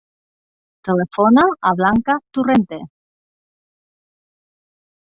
Telefona a la Blanca Torrente.